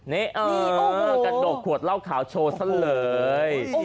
นี่กระดกขวดเหล้าขาวโชว์ซะเลย